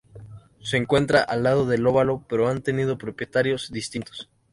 Se encuentra al lado del óvalo, pero han tenido propietarios distintos.